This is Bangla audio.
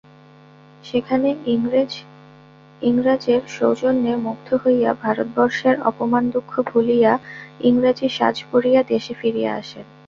সেখানে ইংরাজের সৌজন্যে মুগ্ধ হইয়া ভারতবর্ষের অপমানদুঃখ ভুলিয়া ইংরাজি সাজ পরিয়া দেশে ফিরিয়া আসেন।